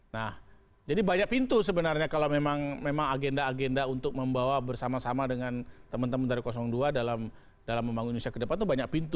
nah jadi banyak pintu sebenarnya kalau memang agenda agenda untuk membawa bersama sama dengan teman teman dari dua dalam membangun indonesia ke depan itu banyak pintu